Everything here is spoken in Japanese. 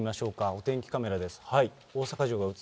お天気カメラです。